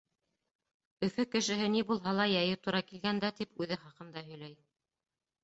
Өфө кешеһе ни булһа ла яйы тура килгәндә тип үҙе хаҡында һөйләй.